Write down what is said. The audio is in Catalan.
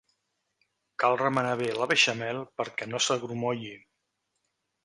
Cal remenar bé la beixamel perquè no s'agrumolli.